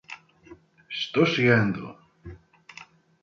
Estou chegando!